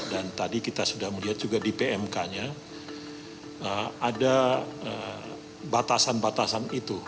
dan tadi kita sudah melihat juga di pmk nya ada batasan batasan itu